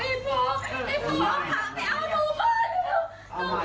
ไอ้พ่อเอาผักไปเอาหนูบ้านเร็ว